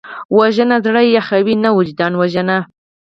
وژنه زړه یخوي نه، وجدان وژني